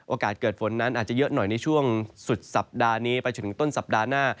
เกิดฝนนั้นอาจจะเยอะหน่อยในช่วงสุดสัปดาห์นี้ไปจนถึงต้นสัปดาห์หน้า